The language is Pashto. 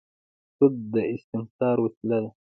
سود د استثمار وسیله ده.